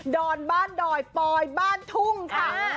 อนบ้านดอยปอยบ้านทุ่งค่ะ